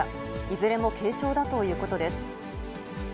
いずれも軽傷だということです。